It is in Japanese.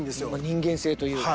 人間性というか。